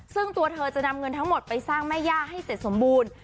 ซึ่งตัวเธอจะนำเงินทั้งหมดไปสร้างแม่ย่าให้เสร็จสมบูรณ์